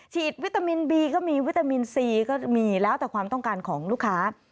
วิตามินบีก็มีวิตามินซีก็มีแล้วแต่ความต้องการของลูกค้า